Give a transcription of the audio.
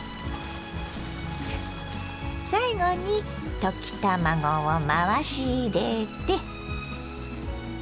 最後に溶き卵を回し入れて。